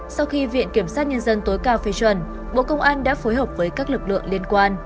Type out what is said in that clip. sau khi viện kiểm sát nhân dân tối cao phê chuẩn bộ công an đã phối hợp với các lực lượng liên quan